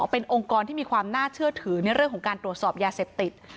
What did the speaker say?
เป็นองค์กรที่มีความน่าเชื่อถือในเรื่องของการตรวจสอบยาเสพติด